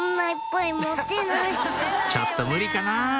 ちょっと無理かな